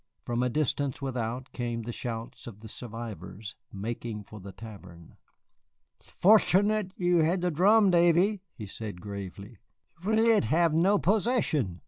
From a distance without came the shouts of the survivors making for the tavern. "'Sfortunate you had the drum, Davy," he said gravely, "'rwe'd had no procession."